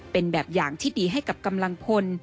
เป็นแบบอย่างที่ดีให้กับกำลังพล